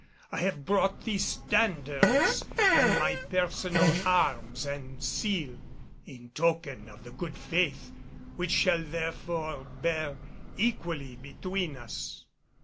I have brought these standards and my personal arms and seal in token of the good faith which shall therefore bear equally between us."